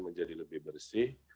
menjadi lebih bersih